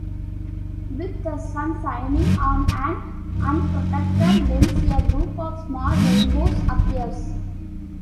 With the sun shining on an unprotected lens, a group of small rainbows appears.